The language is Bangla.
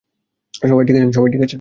সবাই ঠিক আছেন?